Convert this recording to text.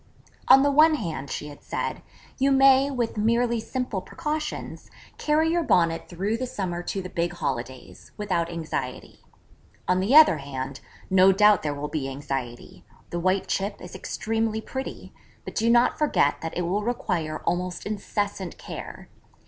'On the one hand,' she had said, 'you may, with merely simple precautions, carry your Bonnet through the summer to the big holidays, without anxiety. On the other hand, no doubt there will be anxiety: the white chip is extremely pretty, but do not forget that it will require almost incessant care.